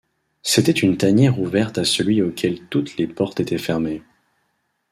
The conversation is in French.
C’était une tanière ouverte à celui auquel toutes les portes étaient fermées.